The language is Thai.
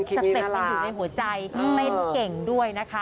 สเต็ปยังอยู่ในหัวใจเต้นเก่งด้วยนะคะ